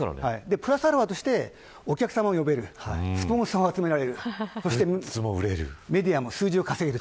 プラスαとしてお客さまを呼べるスポンサーを集められるメディアも数字を稼げる。